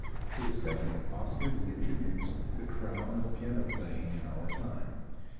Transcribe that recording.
To the second Oscar Bie attributes the crown of piano playing in our time.